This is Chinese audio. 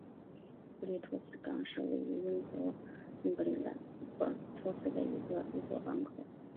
布里斯托港是位于英国英格兰布里斯托的一座港口。